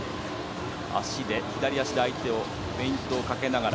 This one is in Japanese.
足で左足で相手をフェイントをかけながら。